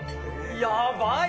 やばい！